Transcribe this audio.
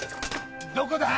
どこだ？